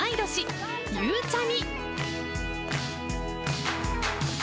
よっゆうちゃみ！